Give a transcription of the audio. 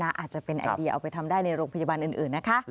อาจจะเป็นไอเดียเอาไปทำได้ในโรงพยาบาลอื่นนะคะ